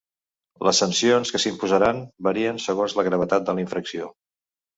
Les sancions que s'imposaran varien segons la gravetat de la infracció.